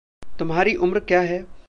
तुम्हारी उम्र क्या है?